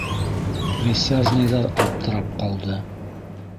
Присяжныйҙар аптырап ҡалды.